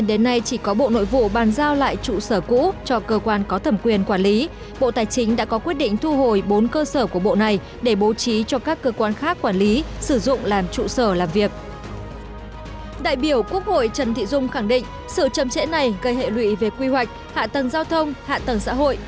đại biểu quốc hội trần thị dung khẳng định sự châm trễ này gây hệ lụy về quy hoạch hạ tầng giao thông hạ tầng xã hội